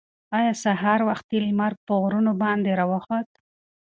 ایا سهار وختي لمر پر غرونو باندې راوخوت؟